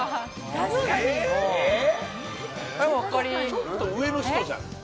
ちょっと上の人じゃない？